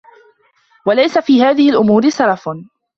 وَلَيْسَ فِي هَذِهِ الْأُمُورِ سَرَفٌ